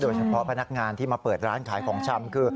พนักงานที่มาเปิดร้านขายของชำคือ